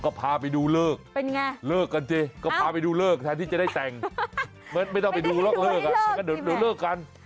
ก็พาไปดูเลิกเป็นไงเลิกกันสิก็พาไปดูเลิกแทนที่จะได้แต่งไม่ต้องไปดูหรอกเลิกอ่ะไม่งั้นเดี๋ยวเลิกกัน